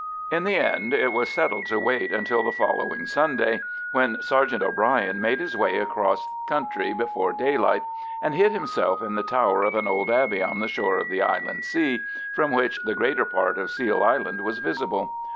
In the end it was settled to wait until the following Sunday, when Sergeant O'Bryan made his way across country before daylight and hid himself in the tower of an old abbey on the shore of the inland sea, from which the greater part of Seal Island was visible.